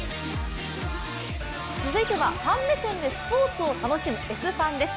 続いては、ファン目線でスポーツを楽しむ「Ｓ☆ＦＡＮ」です。